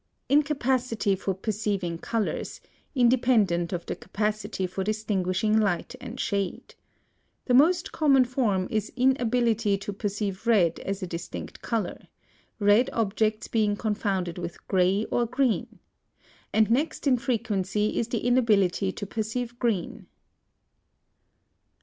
Incapacity for perceiving colors, independent of the capacity for distinguishing light and shade. The most common form is inability to perceive red as a distinct color, red objects being confounded with gray or green; and next in frequency is the inability to perceive green.